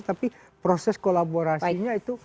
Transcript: tapi proses kolaborasinya itu